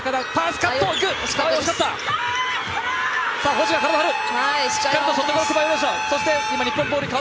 星が体を張る。